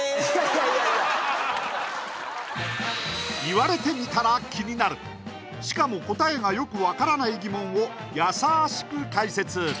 言われてみたら気になるしかも答えがよく分からない疑問をやさしく解説